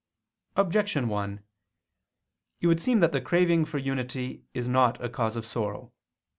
Objection 1: It would seem that the craving for unity is not a cause of sorrow.